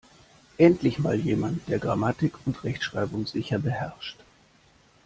Endlich mal jemand, der Grammatik und Rechtschreibung sicher beherrscht!